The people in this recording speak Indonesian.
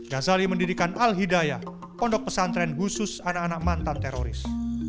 ghazali mendirikan al hidayah pondok pesantren khusus anak anak mantan teroris